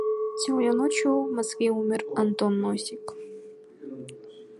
Сегодня ночью в Москве умер Антон Носик.